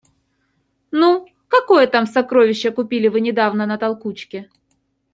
Ну, какое там сокровище купили вы недавно на толкучке?